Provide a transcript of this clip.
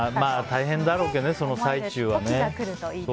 大変だろうけどねその最中はね。